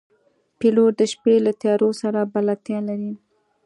پیلوټ د شپې له تیارو سره بلدتیا لري.